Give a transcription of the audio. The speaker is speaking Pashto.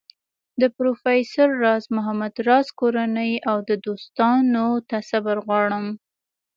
د پروفیسر راز محمد راز کورنۍ او دوستانو ته صبر غواړم.